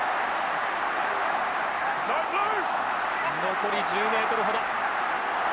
残り１０ｍほど。